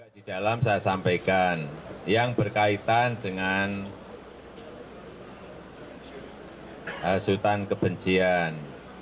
di dalam saya sampaikan yang berkaitan dengan hasutan kebencian